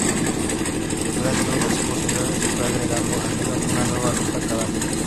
Durante los meses posteriores, se fue agregando al menos una nueva ruta cada mes.